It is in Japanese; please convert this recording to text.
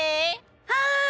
はい！